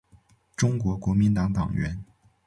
中国国民党党员。